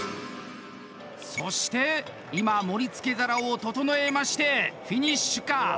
そして、今、盛りつけ皿を整えてまして、フィニッシュか。